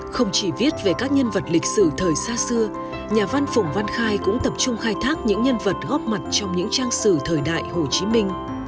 không chỉ viết về các nhân vật lịch sử thời xa xưa nhà văn phùng văn khai cũng tập trung khai thác những nhân vật góp mặt trong những trang sử thời đại hồ chí minh